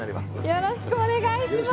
よろしくお願いします。